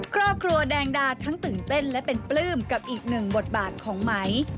ครอบครัวแดงดาทั้งตื่นเต้นและเป็นปลื้มกับอีกหนึ่งบทบาทของไหม